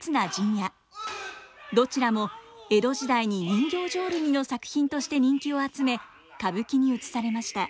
どちらも江戸時代に人形浄瑠璃の作品として人気を集め歌舞伎にうつされました。